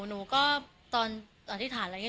หนูก็ตอนอธิษฐานอะไรงี้